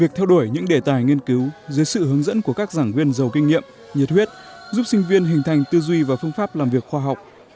việc theo đuổi những đề tài nghiên cứu dưới sự hướng dẫn của các giảng viên giàu kinh nghiệm nhiệt huyết giúp sinh viên hình thành tư duy và phương pháp làm việc khoa học